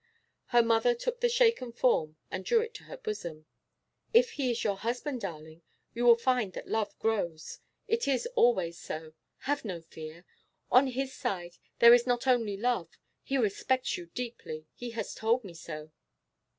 Her mother took the shaken form and drew it to her bosom. 'If he is your husband, darling, you will find that love grows. It is always so. Have no fear. On his side there is not only love; he respects you deeply; he has told me so.